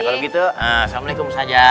kalau gitu assalamualaikum saja